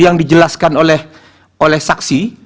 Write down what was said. yang dijelaskan oleh saksi